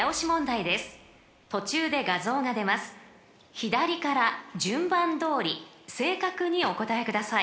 ［左から順番どおり正確にお答えください］